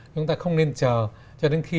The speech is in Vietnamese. chúng ta không nên chờ cho đến khi